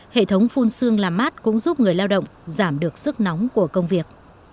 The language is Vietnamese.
hệ thống phun xương làm mát cũng giúp người lao động giảm được sức nóng của công việc